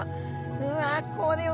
うわこれわ！